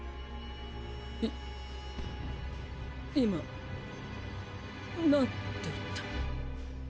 い今何って言った？